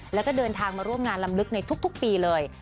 แล้วก็เดินทางมาร่วมงานลำลึกในทุกปีเลย